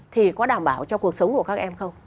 thì có đảm bảo cho cuộc sống của các em không